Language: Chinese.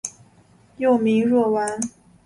幼名若丸。